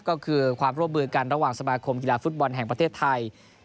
ก็คือความร่วมมือกันระหว่างสมาคมกีฬาฟุตบอลแห่งประเทศไทย